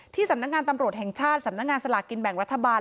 สำนักงานตำรวจแห่งชาติสำนักงานสลากกินแบ่งรัฐบาล